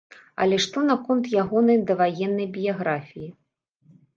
Але што наконт ягонай даваеннай біяграфіі?